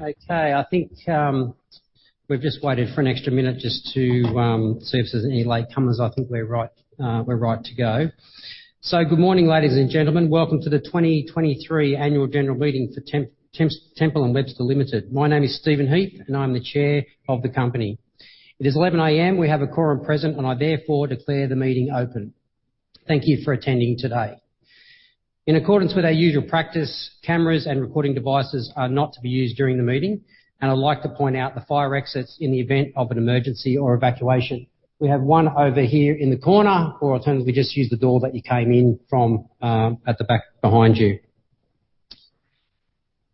Okay, I think, we've just waited for an extra minute just to see if there's any latecomers. I think we're right, we're right to go. So good morning, ladies and gentlemen. Welcome to the 2023 annual general meeting for Temple & Webster Limited. My name is Stephen Heath, and I'm the chair of the company. It is 11 A.M., we have a quorum present, and I therefore declare the meeting open. Thank you for attending today. In accordance with our usual practice, cameras and recording devices are not to be used during the meeting, and I'd like to point out the fire exits in the event of an emergency or evacuation. We have one over here in the corner, or alternatively, just use the door that you came in from, at the back behind you.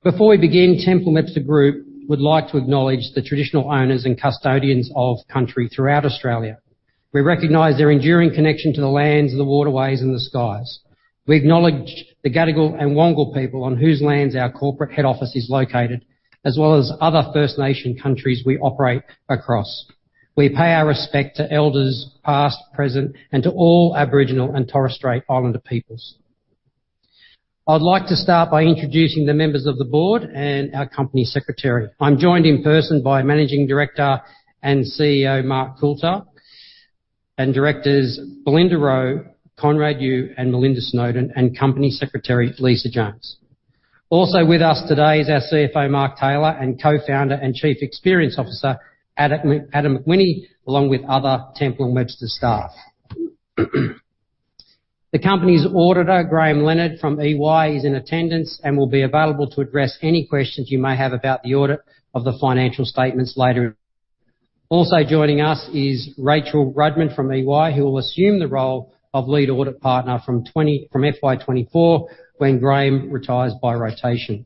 Before we begin, Temple & Webster Group would like to acknowledge the traditional owners and custodians of country throughout Australia. We recognize their enduring connection to the lands, the waterways, and the skies. We acknowledge the Gadigal and Wangal people on whose lands our corporate head office is located, as well as other First Nation countries we operate across. We pay our respect to Elders, past, present, and to all Aboriginal and Torres Strait Islander peoples. I'd like to start by introducing the members of the board and our company secretary. I'm joined in person by Managing Director and CEO, Mark Coulter, and directors Belinda Rowe, Conrad Yiu, and Melinda Snowden, and Company Secretary, Lisa Jones. Also with us today is our CFO, Mark Taylor, and Co-founder and Chief Experience Officer, Adam McWhinney, along with other Temple & Webster staff. The company's auditor, Graham Leonard from EY, is in attendance and will be available to address any questions you may have about the audit of the financial statements later. Also joining us is Rachel Rudman from EY, who will assume the role of Lead Audit Partner from FY 2024, when Graham retires by rotation.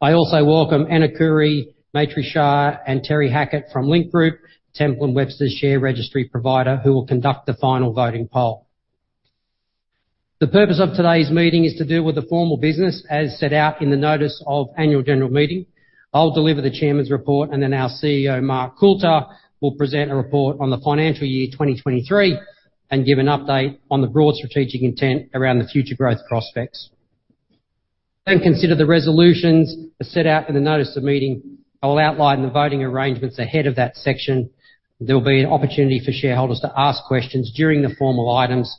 I also welcome [Emma Curry], Maitri Shah, and Terry Hackett from Link Group, Temple & Webster's share registry provider, who will conduct the final voting poll. The purpose of today's meeting is to deal with the formal business as set out in the notice of annual general meeting. I'll deliver the chairman's report, and then our CEO, Mark Coulter, will present a report on the financial year 2023 and give an update on the broad strategic intent around the future growth prospects. Consider the resolutions as set out in the notice of meeting. I will outline the voting arrangements ahead of that section. There will be an opportunity for shareholders to ask questions during the formal items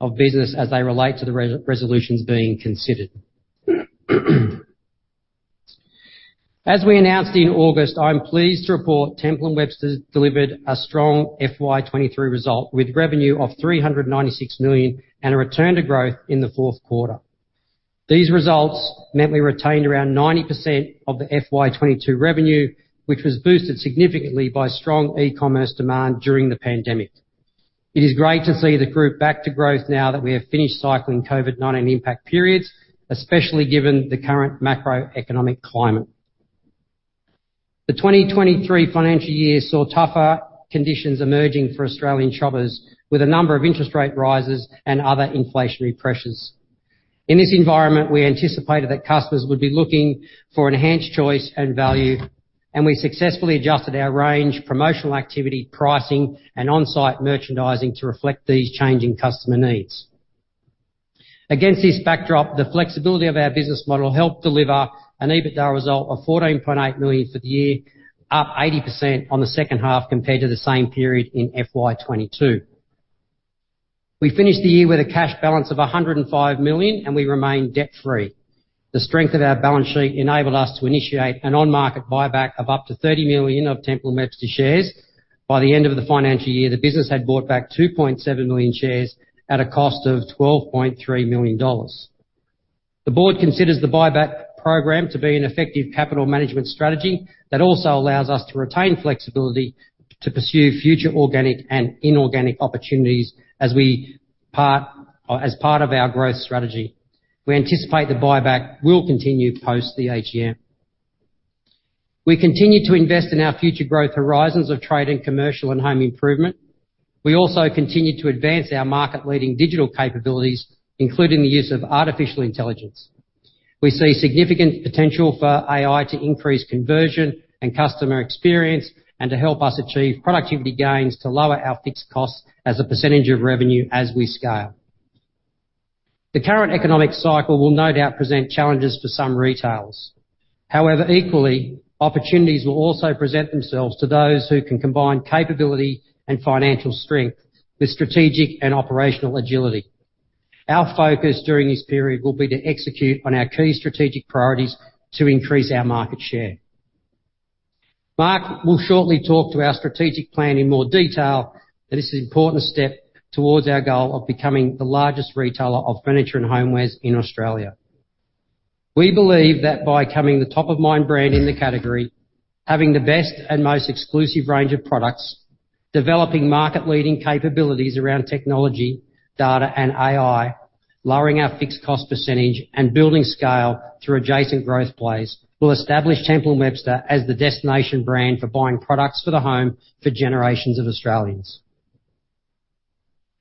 of business as they relate to the resolutions being considered. As we announced in August, I am pleased to report Temple & Webster delivered a strong FY 2023 result, with revenue of 396 million and a return to growth in the fourth quarter. These results meant we retained around 90% of the FY 2022 revenue, which was boosted significantly by strong e-commerce demand during the pandemic. It is great to see the group back to growth now that we have finished cycling COVID-19 impact periods, especially given the current macroeconomic climate. The 2023 financial year saw tougher conditions emerging for Australian shoppers, with a number of interest rate rises and other inflationary pressures. In this environment, we anticipated that customers would be looking for enhanced choice and value, and we successfully adjusted our range, promotional activity, pricing, and on-site merchandising to reflect these changing customer needs. Against this backdrop, the flexibility of our business model helped deliver an EBITDA result of 14.8 million for the year, up 80% on the second half compared to the same period in FY 2022. We finished the year with a cash balance of 105 million, and we remain debt-free. The strength of our balance sheet enabled us to initiate an on-market buyback of up to 30 million of Temple & Webster shares. By the end of the financial year, the business had bought back 2.7 million shares at a cost of 12.3 million dollars. The board considers the buyback program to be an effective capital management strategy that also allows us to retain flexibility to pursue future organic and inorganic opportunities as part of our growth strategy. We anticipate the buyback will continue post the AGM. We continue to invest in our future growth horizons of trade and commercial and home improvement. We also continue to advance our market-leading digital capabilities, including the use of artificial intelligence. We see significant potential for AI to increase conversion and customer experience and to help us achieve productivity gains to lower our fixed costs as a percentage of revenue as we scale. The current economic cycle will no doubt present challenges for some retailers. However, equally, opportunities will also present themselves to those who can combine capability and financial strength with strategic and operational agility. Our focus during this period will be to execute on our key strategic priorities to increase our market share. Mark will shortly talk to our strategic plan in more detail, but this is an important step towards our goal of becoming the largest retailer of furniture and homewares in Australia. We believe that by becoming the top-of-mind brand in the category, having the best and most exclusive range of products, developing market-leading capabilities around technology, data, and AI, lowering our fixed cost percentage, and building scale through adjacent growth plays, will establish Temple & Webster as the destination brand for buying products for the home for generations of Australians.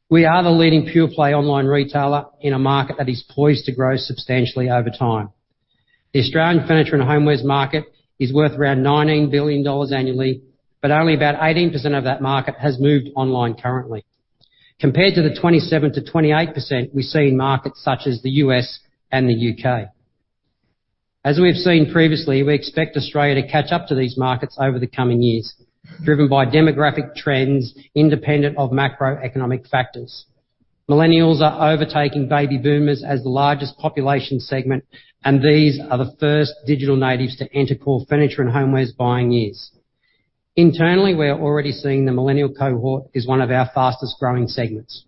We are the leading pure-play online retailer in a market that is poised to grow substantially over time. The Australian furniture and homewares market is worth around 19 billion dollars annually, but only about 18% of that market has moved online currently... compared to the 27%-28% we see in markets such as the U.S. and the U.K. As we've seen previously, we expect Australia to catch up to these markets over the coming years, driven by demographic trends independent of macroeconomic factors. Millennials are overtaking baby boomers as the largest population segment, and these are the first digital natives to enter core furniture and homewares buying years. Internally, we are already seeing the millennial cohort is one of our fastest-growing segments.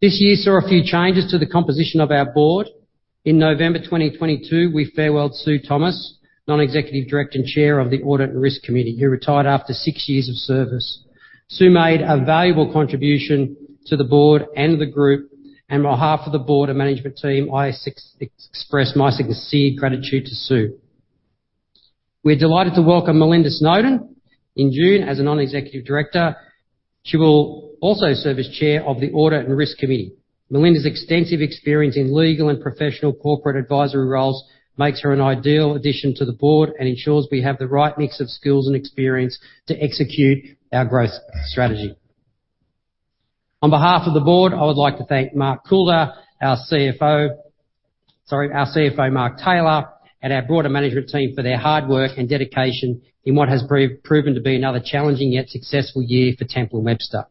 This year saw a few changes to the composition of our board. In November 2022, we farewelled Sue Thomas, Non-Executive Director and Chair of the Audit and Risk Committee, who retired after six years of service. Sue made a valuable contribution to the board and the group, and on behalf of the board and management team, I express my sincere gratitude to Sue. We're delighted to welcome Melinda Snowdon in June as a non-executive director. She will also serve as chair of the Audit and Risk Committee. Melinda's extensive experience in legal and professional corporate advisory roles makes her an ideal addition to the board and ensures we have the right mix of skills and experience to execute our growth strategy. On behalf of the board, I would like to thank Mark Coulter, our CFO—Sorry, our CFO, Mark Taylor, and our broader management team for their hard work and dedication in what has proven to be another challenging yet successful year for Temple & Webster.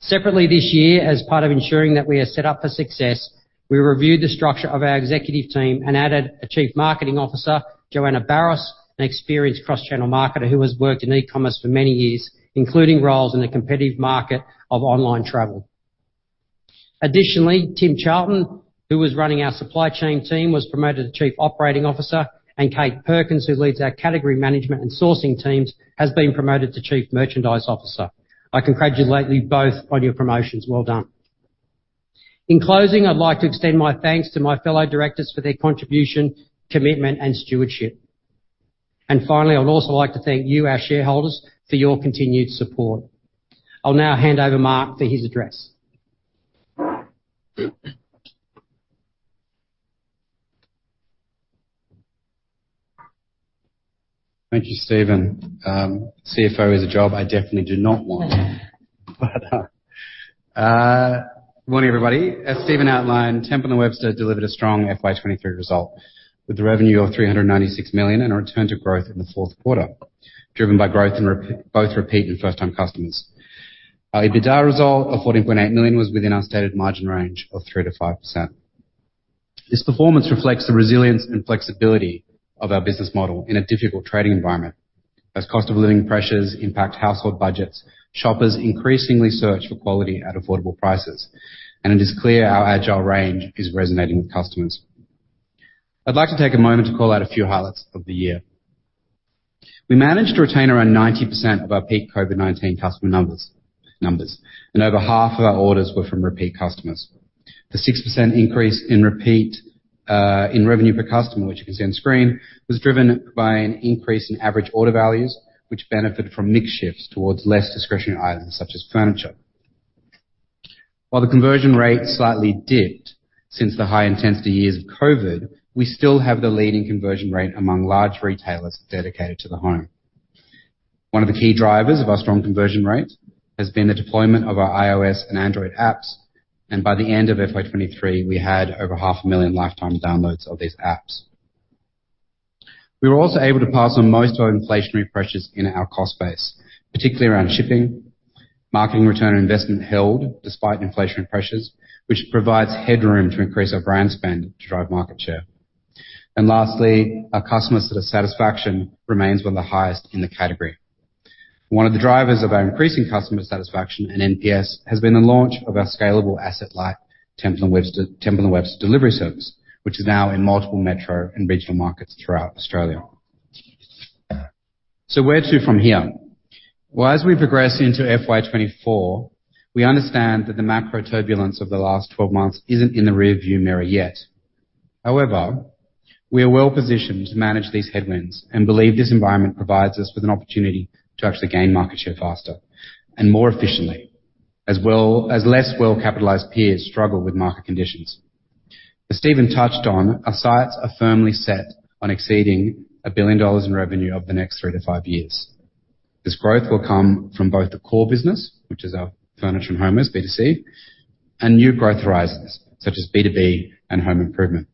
Separately, this year, as part of ensuring that we are set up for success, we reviewed the structure of our executive team and added a Chief Marketing Officer, Joana Barros, an experienced cross-channel marketer who has worked in e-commerce for many years, including roles in the competitive market of online travel. Additionally, Tim Charlton, who was running our supply chain team, was promoted to Chief Operating Officer, and Kate Perkins, who leads our category management and sourcing teams, has been promoted to Chief Merchandise Officer. I congratulate you both on your promotions. Well done. In closing, I'd like to extend my thanks to my fellow directors for their contribution, commitment, and stewardship. And finally, I'd also like to thank you, our shareholders, for your continued support. I'll now hand over Mark for his address. Thank you, Stephen. CFO is a job I definitely do not want. Good morning, everybody. As Stephen outlined, Temple & Webster delivered a strong FY 2023 result with a revenue of 396 million and a return to growth in the fourth quarter, driven by growth in both repeat and first-time customers. Our EBITDA result of 14.8 million was within our stated margin range of 3%-5%. This performance reflects the resilience and flexibility of our business model in a difficult trading environment. As cost-of-living pressures impact household budgets, shoppers increasingly search for quality at affordable prices, and it is clear our agile range is resonating with customers. I'd like to take a moment to call out a few highlights of the year. We managed to retain around 90% of our peak COVID-19 customer numbers, and over half of our orders were from repeat customers. The 6% increase in repeat in revenue per customer, which you can see on screen, was driven by an increase in average order values, which benefited from mix shifts towards less discretionary items such as furniture. While the conversion rate slightly dipped since the high-intensity years of COVID, we still have the leading conversion rate among large retailers dedicated to the home. One of the key drivers of our strong conversion rates has been the deployment of our iOS and Android apps, and by the end of FY 2023, we had over 500,000 lifetime downloads of these apps. We were also able to pass on most of our inflationary pressures in our cost base, particularly around shipping. Marketing return on investment held despite inflationary pressures, which provides headroom to increase our brand spend to drive market share. And lastly, our customer sort of satisfaction remains one of the highest in the category. One of the drivers of our increasing customer satisfaction and NPS has been the launch of our scalable asset light, Temple & Webster, Temple & Webster delivery service, which is now in multiple metro and regional markets throughout Australia. So where to from here? Well, as we progress into FY 2024, we understand that the macro turbulence of the last 12 months isn't in the rearview mirror yet. However, we are well-positioned to manage these headwinds and believe this environment provides us with an opportunity to actually gain market share faster and more efficiently, as well as less well-capitalized peers struggle with market conditions. As Stephen touched on, our sights are firmly set on exceeding 1 billion dollars in revenue over the next three to five years. This growth will come from both the core business, which is our furniture and homewares, B2C, and new growth horizons, such as B2B and home improvement.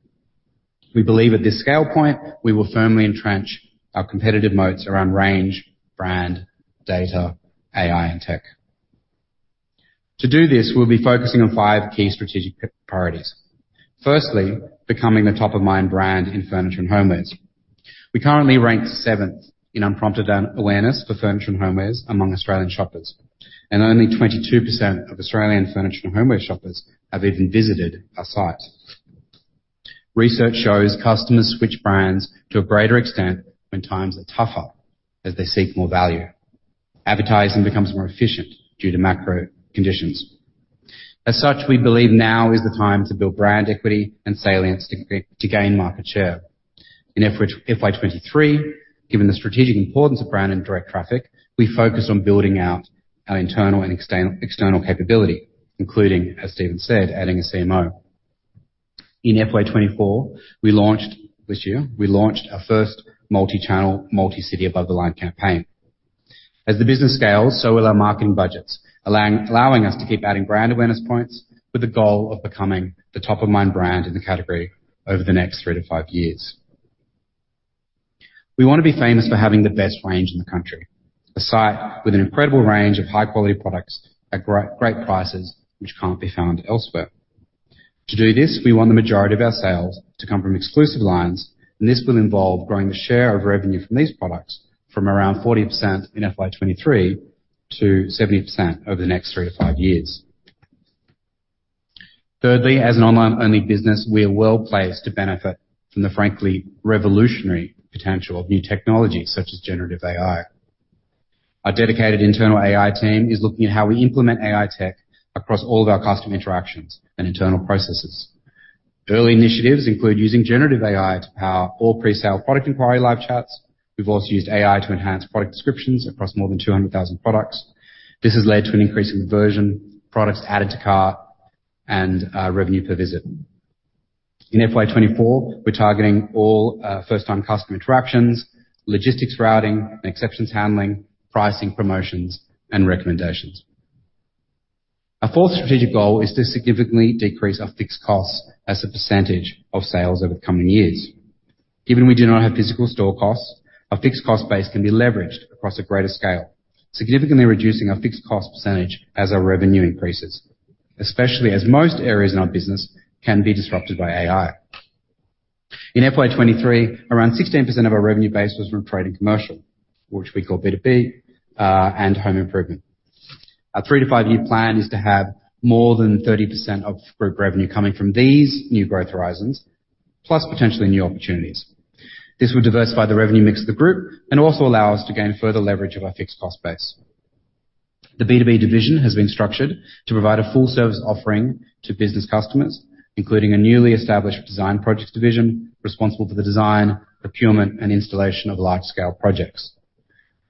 We believe at this scale point, we will firmly entrench our competitive moats around range, brand, data, AI, and tech. To do this, we'll be focusing on five key strategic priorities. Firstly, becoming the top-of-mind brand in furniture and homewares. We currently rank seventh in unprompted awareness for furniture and homewares among Australian shoppers, and only 22% of Australian furniture and homeware shoppers have even visited our site. Research shows customers switch brands to a greater extent when times are tougher, as they seek more value. Advertising becomes more efficient due to macro conditions. As such, we believe now is the time to build brand equity and salience to gain market share. In FY 2023, given the strategic importance of brand and direct traffic, we focused on building out our internal and external capability, including, as Stephen said, adding a CMO. In FY 2024, this year, we launched our first multi-channel, multi-city Above the Line campaign. As the business scales, so will our marketing budgets, allowing us to keep adding brand awareness points with the goal of becoming the top-of-mind brand in the category over the next three to five years. We want to be famous for having the best range in the country, a site with an incredible range of high-quality products at great, great prices, which can't be found elsewhere. To do this, we want the majority of our sales to come from exclusive lines, and this will involve growing the share of revenue from these products from around 40% in FY 2023 to 70% over the next three to five years. Thirdly, as an online-only business, we are well-placed to benefit from the frankly revolutionary potential of new technologies such as generative AI. Our dedicated internal AI team is looking at how we implement AI tech across all of our customer interactions and internal processes. Early initiatives include using generative AI to power all presale product inquiry live chats. We've also used AI to enhance product descriptions across more than 200,000 products. This has led to an increase in conversion, products added to cart, and revenue per visit. In FY 2024, we're targeting all first-time customer interactions, logistics, routing, and exceptions handling, pricing, promotions, and recommendations. Our fourth strategic goal is to significantly decrease our fixed costs as a percentage of sales over the coming years. Given we do not have physical store costs, our fixed cost base can be leveraged across a greater scale, significantly reducing our fixed cost percentage as our revenue increases, especially as most areas in our business can be disrupted by AI. In FY 2023, around 16% of our revenue base was from trade and commercial, which we call B2B, and home improvement. Our three to five-year plan is to have more than 30% of group revenue coming from these new growth horizons, plus potentially new opportunities. This will diversify the revenue mix of the group and also allow us to gain further leverage of our fixed cost base. The B2B division has been structured to provide a full service offering to business customers, including a newly established design projects division responsible for the design, procurement, and installation of large-scale projects.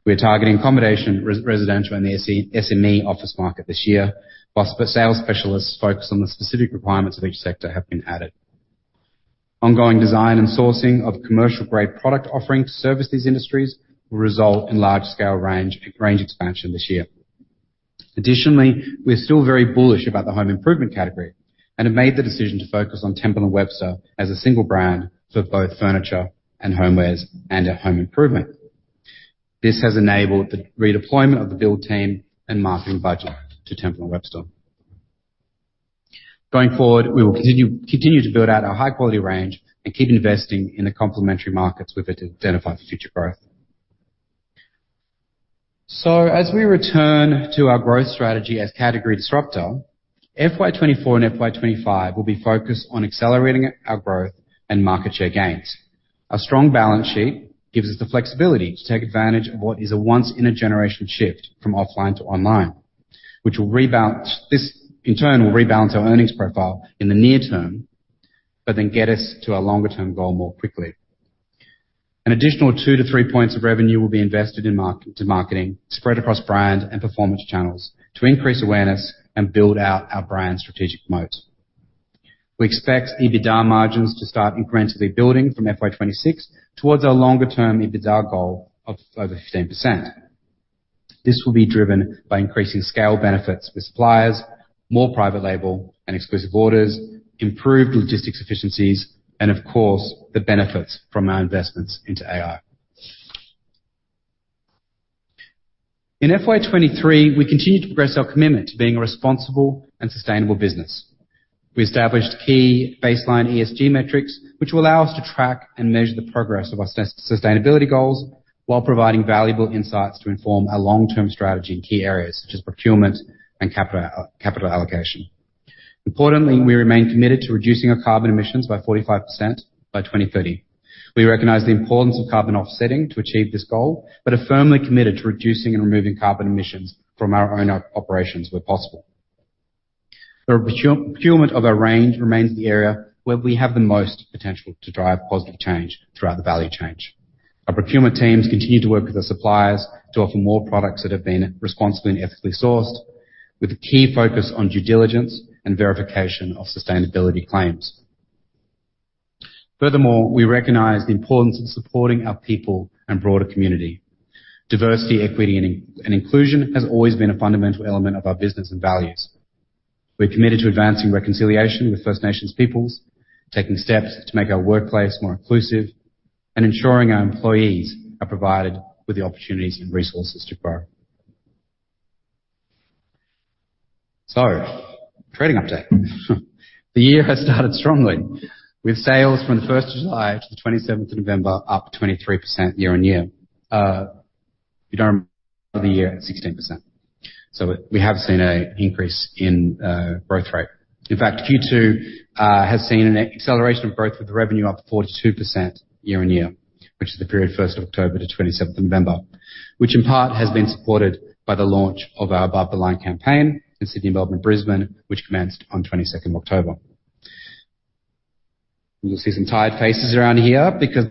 We are targeting accommodation, residential, and the SME office market this year, while the sales specialists focused on the specific requirements of each sector have been added. Ongoing design and sourcing of commercial-grade product offerings to service these industries will result in large-scale range, range expansion this year. Additionally, we're still very bullish about the home improvement category and have made the decision to focus on Temple & Webster as a single brand for both furniture and homewares and our home improvement. This has enabled the redeployment of The Build team and marketing budget to Temple & Webster. Going forward, we will continue to build out our high-quality range and keep investing in the complementary markets we've identified for future growth. So as we return to our growth strategy as category disruptor, FY 2024 and FY 2025 will be focused on accelerating our growth and market share gains. Our strong balance sheet gives us the flexibility to take advantage of what is a once-in-a-generation shift from offline to online, which will rebalance. This in turn will rebalance our earnings profile in the near term, but then get us to our longer-term goal more quickly. An additional 2-3 points of revenue will be invested in marketing, spread across brand and performance channels, to increase awareness and build out our brand's strategic moat. We expect EBITDA margins to start incrementally building from FY 2026 towards our longer-term EBITDA goal of over 15%. This will be driven by increasing scale benefits with suppliers, more private label and exclusive orders, improved logistics efficiencies, and of course, the benefits from our investments into AI. In FY 2023, we continued to progress our commitment to being a responsible and sustainable business. We established key baseline ESG metrics, which will allow us to track and measure the progress of our sustainability goals, while providing valuable insights to inform our long-term strategy in key areas such as procurement and capital, capital allocation. Importantly, we remain committed to reducing our carbon emissions by 45% by 2030. We recognize the importance of carbon offsetting to achieve this goal, but are firmly committed to reducing and removing carbon emissions from our own operations where possible. The procurement of our range remains the area where we have the most potential to drive positive change throughout the value chain. Our procurement teams continue to work with our suppliers to offer more products that have been responsibly and ethically sourced, with a key focus on due diligence and verification of sustainability claims. Furthermore, we recognize the importance of supporting our people and broader community. Diversity, equity, and inclusion has always been a fundamental element of our business and values. We're committed to advancing reconciliation with First Nations peoples, taking steps to make our workplace more inclusive, and ensuring our employees are provided with the opportunities and resources to grow. Trading update. The year has started strongly, with sales from the first of July to the 27th of November, up 23% year-on-year, for the year at 16%. So we have seen an increase in growth rate. In fact, Q2 has seen an acceleration of growth, with the revenue up 42% year-on-year, which is the period October 1st to November 27th, which in part has been supported by the launch of our Above the Line campaign in Sydney, Melbourne, and Brisbane, which commenced on October 22nd. You'll see some tired faces around here because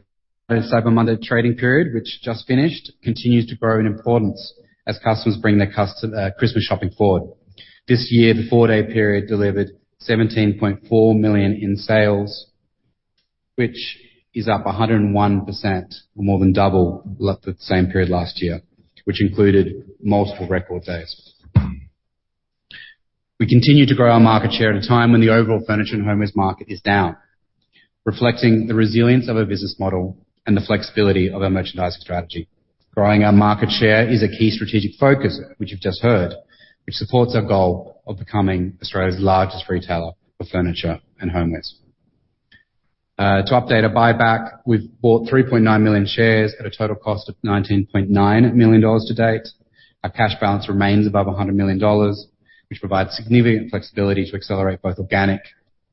the Cyber Monday trading period, which just finished, continues to grow in importance as customers bring their Christmas shopping forward. This year, the four-day period delivered 17.4 million in sales, which is up 101%, more than double the same period last year, which included multiple record days. We continue to grow our market share at a time when the overall furniture and homewares market is down, reflecting the resilience of our business model and the flexibility of our merchandising strategy. Growing our market share is a key strategic focus, which you've just heard, which supports our goal of becoming Australia's largest retailer for furniture and homewares. To update our buyback, we've bought 3.9 million shares at a total cost of 19.9 million dollars to date. Our cash balance remains above 100 million dollars, which provides significant flexibility to accelerate both organic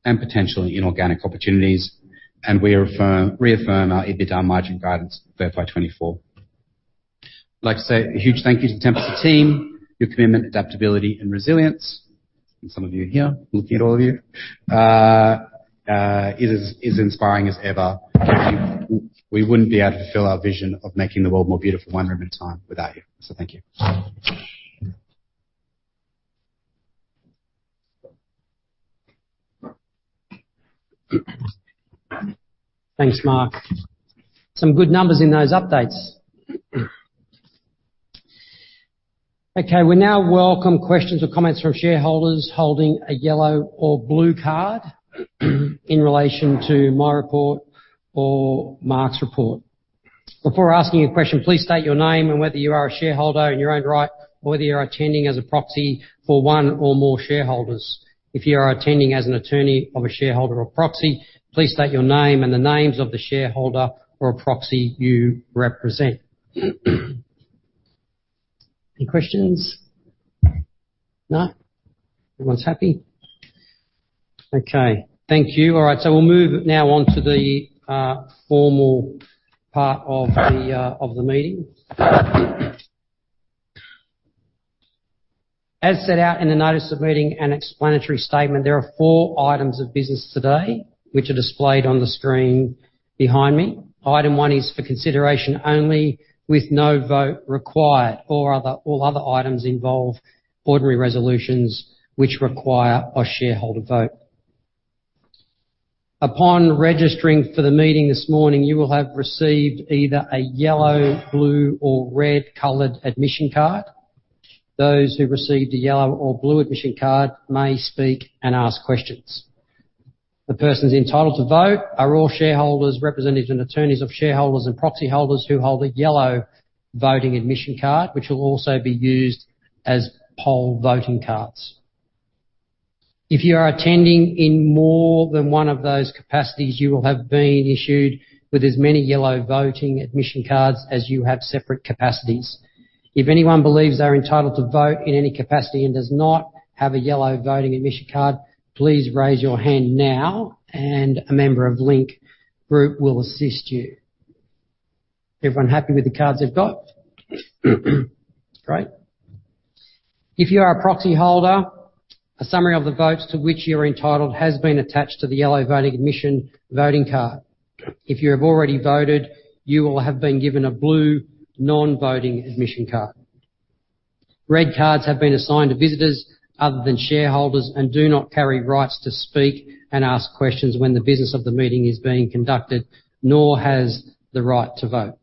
and potentially inorganic opportunities, and we reaffirm our EBITDA margin guidance for FY 2024. I'd like to say a huge thank you to the Temple team. Your commitment, adaptability, and resilience, and some of you here, looking at all of you, is inspiring as ever. We wouldn't be able to fulfill our vision of making the world more beautiful, one room at a time, without you. So thank you. Thanks, Mark. Some good numbers in those updates. Okay, we now welcome questions or comments from shareholders holding a yellow or blue card in relation to my report or Mark's report. Before asking a question, please state your name and whether you are a shareholder in your own right, or whether you are attending as a proxy for one or more shareholders. If you are attending as an attorney of a shareholder or proxy, please state your name and the names of the shareholder or proxy you represent .Any questions? No? Everyone's happy. Okay, thank you. All right, so we'll move now on to the formal part of the meeting. As set out in the notice of meeting and explanatory statement, there are four items of business today which are displayed on the screen behind me. Item one is for consideration only, with no vote required. All other, all other items involve ordinary resolutions which require a shareholder vote. Upon registering for the meeting this morning, you will have received either a yellow, blue, or red-colored admission card. Those who received a yellow or blue admission card may speak and ask questions. The persons entitled to vote are all shareholders, representatives and attorneys of shareholders and proxy holders who hold a yellow voting admission card, which will also be used as poll voting cards. If you are attending in more than one of those capacities, you will have been issued with as many yellow voting admission cards as you have separate capacities. If anyone believes they are entitled to vote in any capacity and does not have a yellow voting admission card, please raise your hand now, and a member of Link Group will assist you. Everyone happy with the cards they've got? Great. If you are a proxy holder, a summary of the votes to which you're entitled has been attached to the yellow voting admission card. If you have already voted, you will have been given a blue non-voting admission card. Red cards have been assigned to visitors other than shareholders and do not carry rights to speak and ask questions when the business of the meeting is being conducted, nor has the right to vote.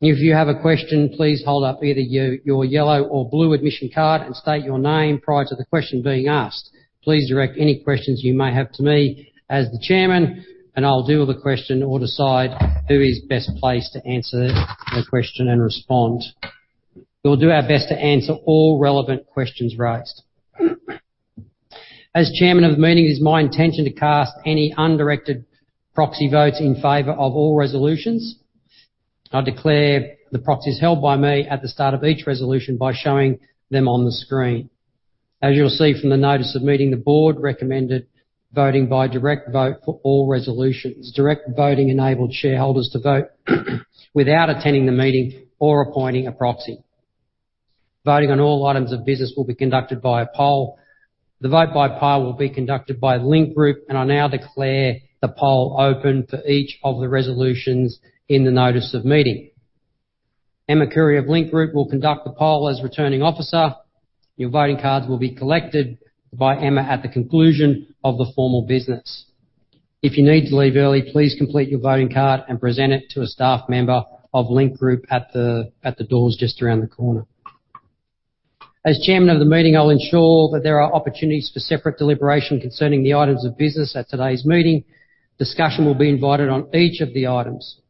If you have a question, please hold up either your yellow or blue admission card and state your name prior to the question being asked. Please direct any questions you may have to me as the chairman, and I'll deal with the question or decide who is best placed to answer the question and respond. We'll do our best to answer all relevant questions raised. As chairman of the meeting, it is my intention to cast any undirected proxy votes in favor of all resolutions. I declare the proxies held by me at the start of each resolution by showing them on the screen. As you'll see from the notice of meeting, the board recommended voting by direct vote for all resolutions. Direct voting enabled shareholders to vote without attending the meeting or appointing a proxy. Voting on all items of business will be conducted by a poll. The vote by poll will be conducted by Link Group, and I now declare the poll open for each of the resolutions in the notice of meeting. Emma Curry of Link Group will conduct the poll as Returning Officer. Your voting cards will be collected by Emma at the conclusion of the formal business. If you need to leave early, please complete your voting card and present it to a staff member of Link Group at the doors just around the corner. As Chairman of the meeting, I'll ensure that there are opportunities for separate deliberation concerning the items of business at today's meeting. Discussion will be invited on each of the items.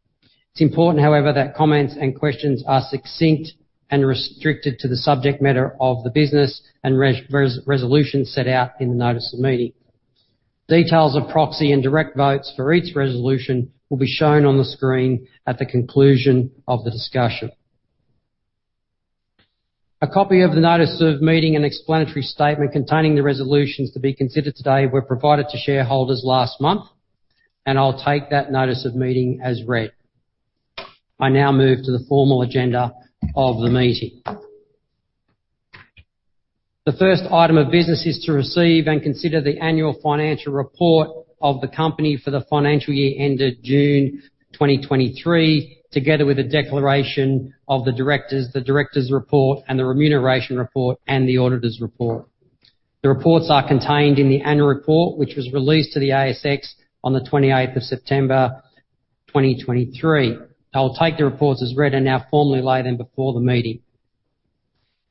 It's important, however, that comments and questions are succinct and restricted to the subject matter of the business and resolutions set out in the notice of the meeting. Details of proxy and direct votes for each resolution will be shown on the screen at the conclusion of the discussion. A copy of the notice of meeting and explanatory statement containing the resolutions to be considered today, were provided to shareholders last month, and I'll take that notice of meeting as read. I now move to the formal agenda of the meeting. The first item of business is to receive and consider the annual financial report of the company for the financial year ended June 2023, together with a declaration of the directors, the directors' report, and the remuneration report, and the auditor's report. The reports are contained in the annual report, which was released to the ASX on September 28th, 2023. I will take the reports as read and now formally lay them before the meeting.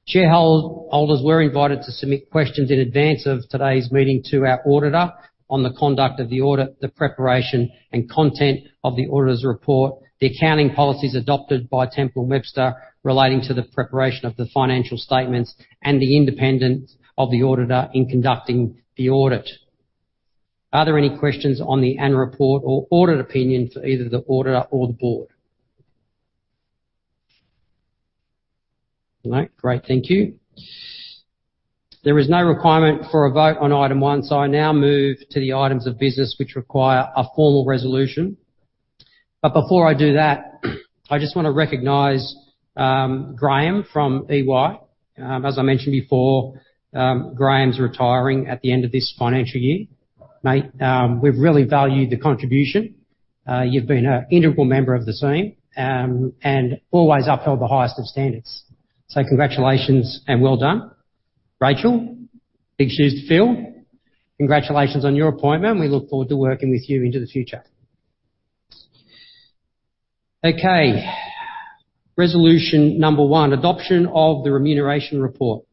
Shareholders, holders were invited to submit questions in advance of today's meeting to our auditor on the conduct of the audit, the preparation and content of the auditor's report, the accounting policies adopted by Temple & Webster relating to the preparation of the financial statements, and the independence of the auditor in conducting the audit. Are there any questions on the annual report or audit opinion for either the auditor or the board? No. Great, thank you. There is no requirement for a vote on item one, so I now move to the items of business which require a formal resolution. But before I do that, I just want to recognize, Graham from EY. As I mentioned before, Graham's retiring at the end of this financial year. Mate, we've really valued the contribution. You've been an integral member of the team, and always upheld the highest of standards. So congratulations and well done. Rachel, big shoes to fill. Congratulations on your appointment. We look forward to working with you into the future. Okay, resolution number one: adoption of the remuneration report.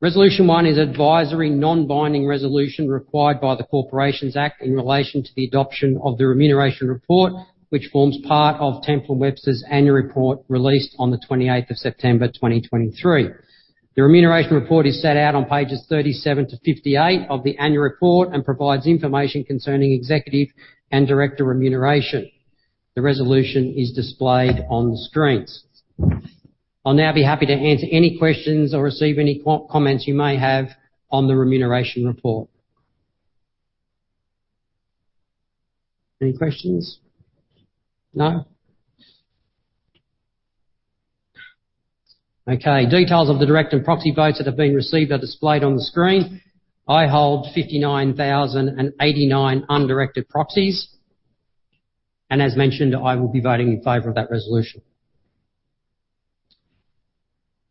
Resolution one is advisory, non-binding resolution required by the Corporations Act in relation to the adoption of the remuneration report, which forms part of Temple & Webster's annual report released on the September 28th, 2023. The remuneration report is set out on pages 37-58 of the annual report and provides information concerning executive and director remuneration. The resolution is displayed on the screens. I'll now be happy to answer any questions or receive any comments you may have on the remuneration report. Any questions? No. Okay, details of the director and proxy votes that have been received are displayed on the screen. I hold 59,089 undirected proxies, and as mentioned, I will be voting in favor of that resolution.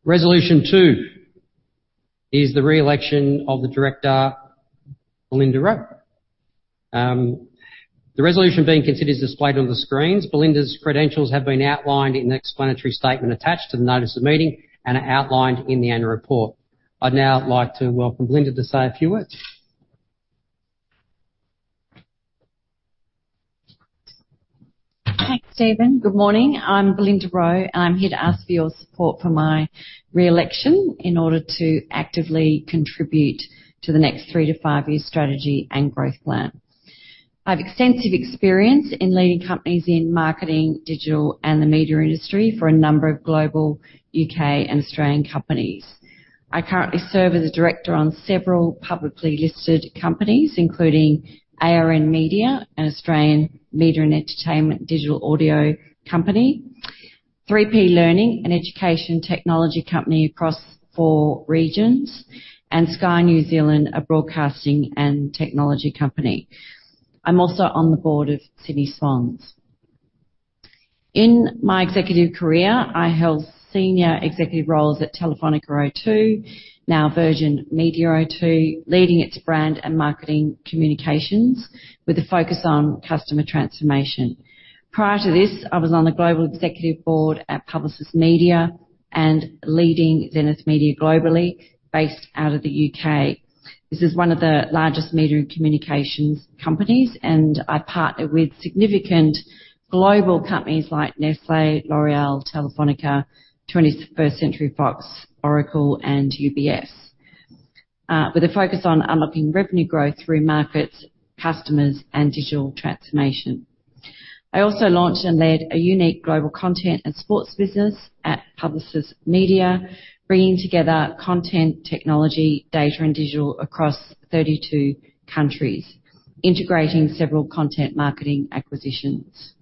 Resolution two is the re-election of the director, Belinda Rowe. The resolution being considered is displayed on the screens. Belinda's credentials have been outlined in the explanatory statement attached to the notice of meeting and are outlined in the annual report. I'd now like to welcome Belinda to say a few words. Thanks, Stephen. Good morning. I'm Belinda Rowe, and I'm here to ask for your support for my re-election in order to actively contribute to the next three to five-year strategy and growth plan. I have extensive experience in leading companies in marketing, digital, and the media industry for a number of global UK and Australian companies. I currently serve as a director on several publicly listed companies, including ARN Media, an Australian media and entertainment digital audio company, 3P Learning, an education technology company across four regions, and Sky New Zealand, a broadcasting and technology company. I'm also on the board of Sydney Swans. In my executive career, I held senior executive roles at Telefonica O2, now Virgin Media O2, leading its brand and marketing communications with a focus on customer transformation. Prior to this, I was on the global executive board at Publicis Media and leading Zenith Media globally, based out of the U.K. This is one of the largest media communications companies, and I partner with significant global companies like Nestlé, L'Oréal, Telefónica, 21st Century Fox, Oracle, and UBS. With a focus on unlocking revenue growth through markets, customers, and digital transformation. I also launched and led a unique global content and sports business at Publicis Media, bringing together content, technology, data, and digital across 32 countries, integrating several content marketing acquisitions.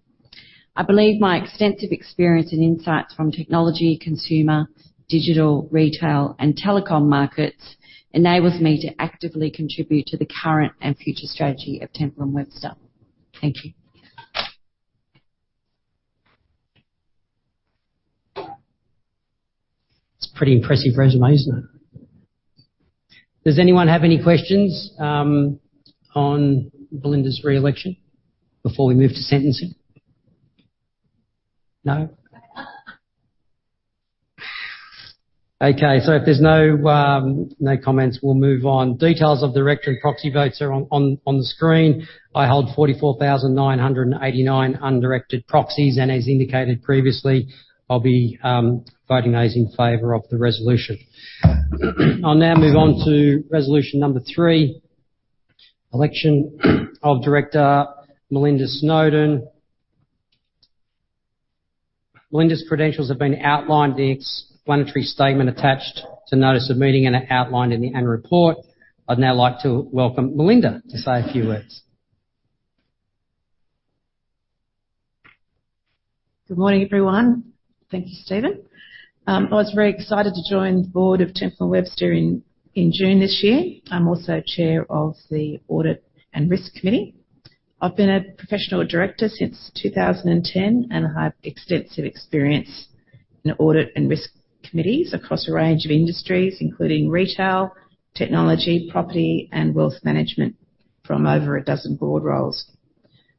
I believe my extensive experience and insights from technology, consumer, digital, retail, and telecom markets enables me to actively contribute to the current and future strategy of Temple & Webster. Thank you. It's a pretty impressive resume, isn't it? Does anyone have any questions on Belinda's re-election before we move to sentencing? No? Okay, so if there's no no comments, we'll move on. Details of director and proxy votes are on the screen. I hold 44,989 undirected proxies, and as indicated previously, I'll be voting those in favor of the resolution. I'll now move on to resolution number three, election of Director Melinda Snowden. Melinda's credentials have been outlined in the explanatory statement attached to notice of meeting and are outlined in the annual report. I'd now like to welcome Melinda to say a few words. Good morning, everyone. Thank you, Stephen. I was very excited to join the board of Temple & Webster in June this year. I'm also chair of the Audit and Risk Committee. I've been a professional director since 2010, and I have extensive experience in audit and risk committees across a range of industries, including retail, technology, property, and wealth management from over a dozen board roles.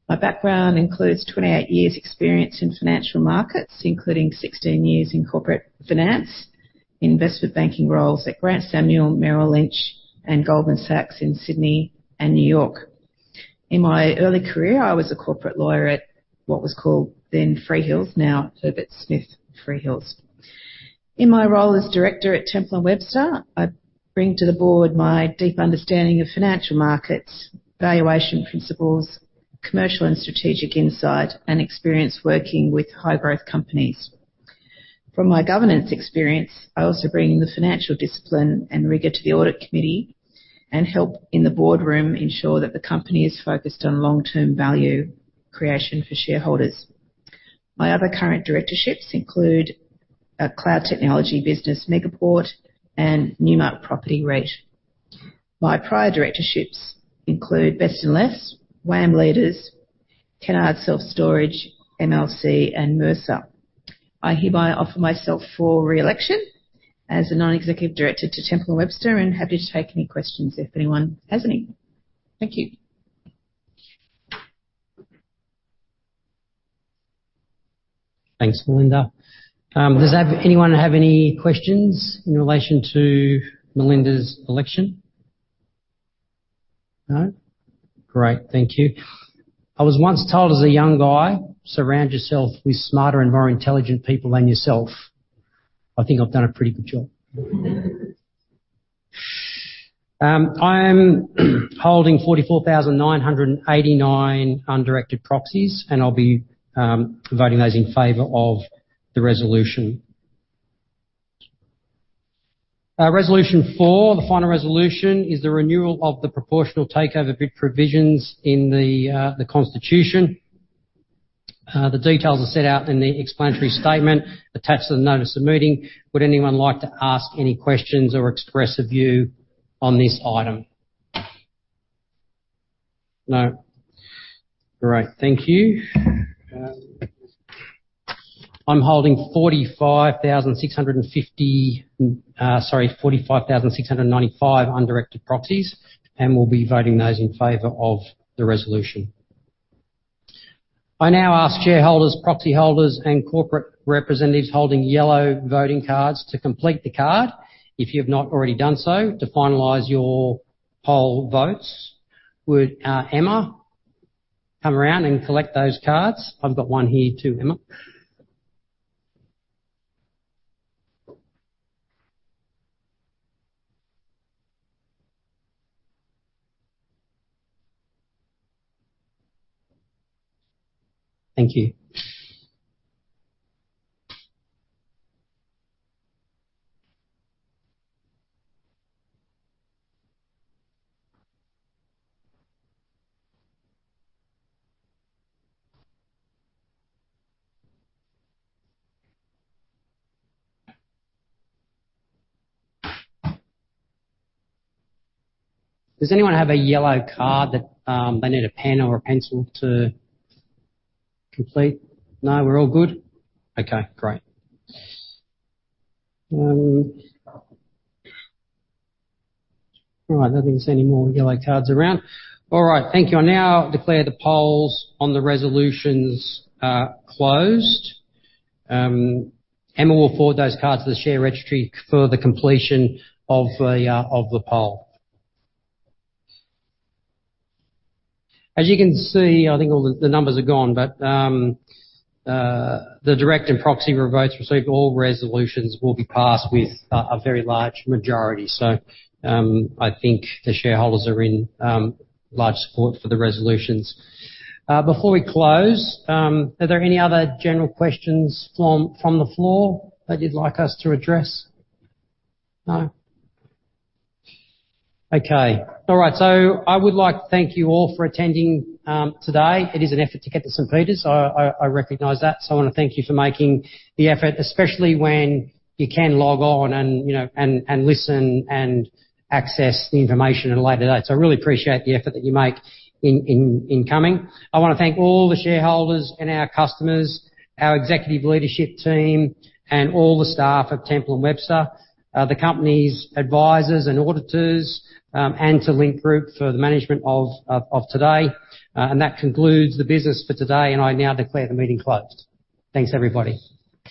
My background includes 28 years experience in financial markets, including 16 years in corporate finance, investment banking roles at Grant Samuel, Merrill Lynch, and Goldman Sachs in Sydney and New York. In my early career, I was a corporate lawyer at what was called then Freehills, now Herbert Smith Freehills. In my role as director at Temple & Webster, I bring to the board my deep understanding of financial markets, valuation principles, commercial and strategic insight, and experience working with high growth companies. From my governance experience, I also bring the financial discipline and rigor to the audit committee and help in the boardroom ensure that the company is focused on long-term value creation for shareholders. My other current directorships include a cloud technology business, Megaport and Newmark Property REIT. My prior directorships include Best & Less, WAM Leaders, Kennards Self Storage, MLC, and Mercer. I hereby offer myself for re-election as a non-executive director to Temple & Webster, and happy to take any questions if anyone has any. Thank you. Thanks, Melinda. Does anyone have any questions in relation to Melinda's election? No? Great, thank you. I was once told as a young guy, "Surround yourself with smarter and more intelligent people than yourself." I think I've done a pretty good job. I am holding 44,989 undirected proxies, and I'll be voting those in favor of the resolution. Resolution four, the final resolution, is the renewal of the proportional takeover bid provisions in the Constitution. The details are set out in the explanatory statement attached to the notice of meeting. Would anyone like to ask any questions or express a view on this item? No. Great, thank you. I'm holding 45,650, sorry, 45,695 undirected proxies, and will be voting those in favor of the resolution. I now ask shareholders, proxy holders, and corporate representatives holding yellow voting cards to complete the card, if you've not already done so, to finalize your poll votes. Would Emma come around and collect those cards? I've got one here, too, Emma. Thank you. Does anyone have a yellow card that they need a pen or a pencil to complete? No, we're all good? Okay, great. All right. I don't think there's any more yellow cards around. All right, thank you. I now declare the polls on the resolutions closed. Emma will forward those cards to the share registry for the completion of the poll. As you can see, I think all the numbers are gone, but the direct and proxy votes received, all resolutions will be passed with a very large majority. So, I think the shareholders are in large support for the resolutions. Before we close, are there any other general questions from the floor that you'd like us to address? No. Okay. All right. So I would like to thank you all for attending today. It is an effort to get to St Peters. So I recognize that. So I want to thank you for making the effort, especially when you can log on and, you know, listen and access the information at a later date. So I really appreciate the effort that you make in coming. I want to thank all the shareholders and our customers, our executive leadership team, and all the staff at Temple & Webster, the company's advisors and auditors, and to Link Group for the management of today. That concludes the business for today, and I now declare the meeting closed. Thanks, everybody.